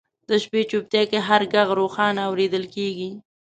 د شپې چوپتیا کې هر ږغ روښانه اورېدل کېږي.